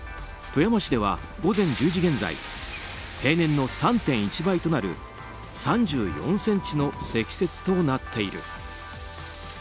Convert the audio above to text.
富山市では午前１０時現在平年の３．１倍となる３４ｃｍの積雪となっている。